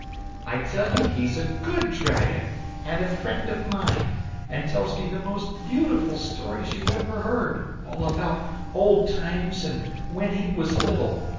I tell you he's a GOOD dragon, and a friend of mine, and tells me the most beautiful stories you ever heard, all about old times and when he was little.